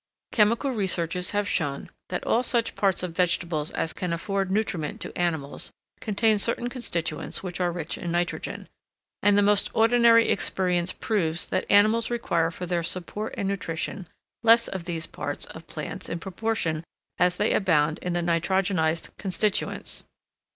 Chemical researches have shown, that all such parts of vegetables as can afford nutriment to animals contain certain constituents which are rich in nitrogen; and the most ordinary experience proves that animals require for their support and nutrition less of these parts of plants in proportion as they abound in the nitrogenised constituents.